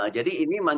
jadi ini masih